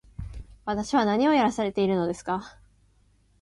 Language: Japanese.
私は何をやらされているのですか